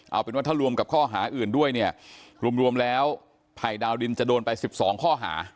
เอาเป็นว่าถ้ารวมกับข้อหาอื่นด้วยเนี่ยรวมแล้วภัยดาวดินจะโดนไป๑๒ข้อหา